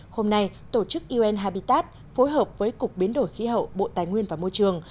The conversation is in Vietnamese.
hôm nay tổ chức un hai bitat phối hợp với cục biến đổi khí hậu bộ tài nguyên và môi trường